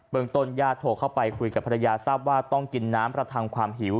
เมืองต้นญาติโทรเข้าไปคุยกับภรรยาทราบว่าต้องกินน้ำประทังความหิว